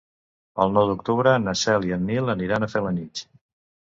El nou d'octubre na Cel i en Nil aniran a Felanitx.